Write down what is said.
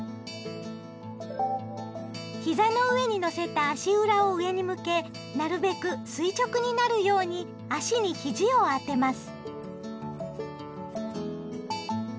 膝の上にのせた足裏を上に向けなるべく垂直になるように足にひじを当てます。